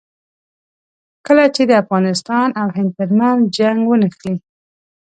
کله چې د افغانستان او هند ترمنځ جنګ ونښلي.